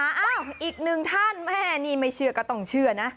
อ้าวอีกหนึ่งท่านแม่นี่ไม่เชื่อก็ต้องเชื่อนะ